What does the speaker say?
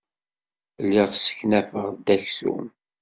Lliɣ sseknafeɣ-d aksum.